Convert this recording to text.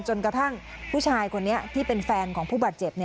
จนกระทั่งผู้ชายคนนี้ที่เป็นแฟนของผู้บาดเจ็บ